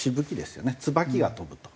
つばきが飛ぶと。